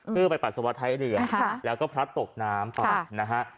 เพื่อไปปัสสาวะท้ายเรือแล้วก็พลัดตกน้ำไปนะฮะ